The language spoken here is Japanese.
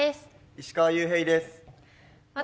石川裕平です。